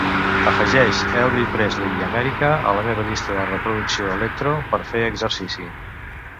afegeix Elvis Presley i Amèrica a la meva llista de reproducció Electro per fer exercici